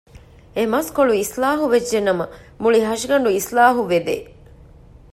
އެ މަސްކޮޅު އިސްލާޙު ވެއްޖެ ނަމަ މުޅި ހަށިގަނޑު އިސްލާޙު ވެދޭ